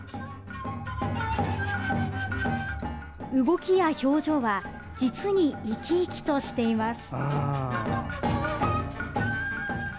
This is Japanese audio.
動きや表情は実に生き生きとしています。